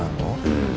うん。